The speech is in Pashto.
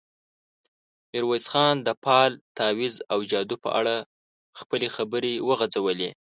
ميرويس خان د فال، تاويذ او جادو په اړه خپلې خبرې وغځولې.